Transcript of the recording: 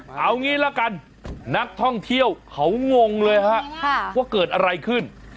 เอางี้ละกันนักท่องเที่ยวเขางงเลยฮะว่าเกิดอะไรขึ้น